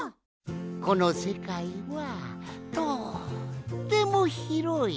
このせかいはとってもひろい。